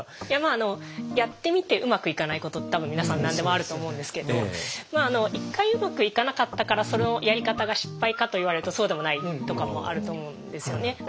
いやまああのやってみてうまくいかないことって多分皆さん何でもあると思うんですけどまあ１回うまくいかなかったからそのやり方が失敗かと言われるとそうでもないとかもあると思うんですよね。